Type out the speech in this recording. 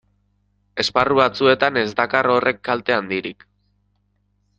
Esparru batzuetan ez dakar horrek kalte handirik.